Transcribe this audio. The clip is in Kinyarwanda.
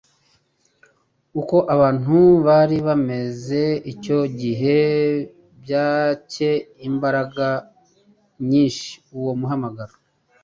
Uko abantul bari bameze icyo gihe byatcye imbaraga nyinshi uwo muhamagaro.